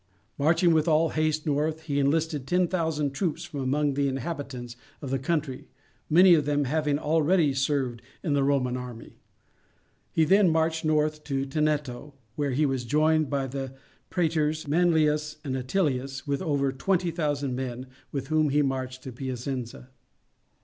Marching with all haste north he enlisted 10,000 troops from among the inhabitants of the country, many of them having already served in the Roman army. He then marched north to Tenneto, where he was joined by the praetors Manlius and Attilius with over 20,000 men, with whom he marched to Piacenza.